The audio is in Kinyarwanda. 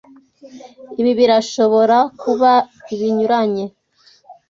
Ibi birashobora kuba ibinyuranye